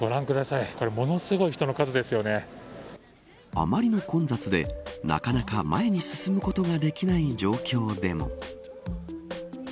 あまりの混雑でなかなか前に進むことができない状況でも。